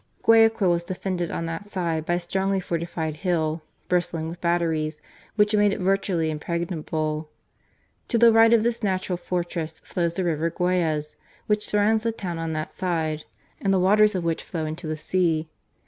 Guayaquil was defended on that side by a strongly fortified hill, bristling with batteries, which made it virtually impregnable. To the right of this H 98 GARCIA MORENO. natural fortress flows the river Guayas, which surrounds the town on that side and the waters of which flow into the sea.